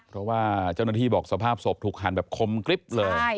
เพราะว่าเจ้าหน้าที่บอกสภาพศพถูกหั่นแบบคมกริ๊บเลย